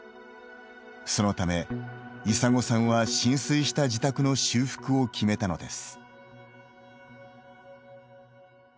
そのため砂金さんは、浸水した自宅の修復を決めたのです。